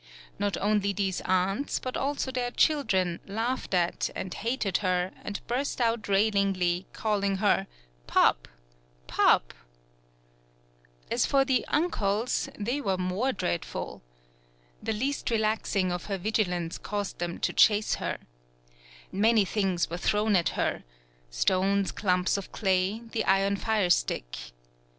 Not only these aunts, but also their children, laughed at and hated her and burst out railingly, calling her "Pup, pup." As for the "uncles," they were more dread ful. The least relaxing of her vigilance caused them to chase her. Many things were thrown at her, stones, clumps of clay, the iron firestick.